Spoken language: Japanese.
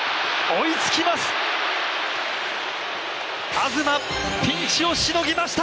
東、ピンチをしのぎました。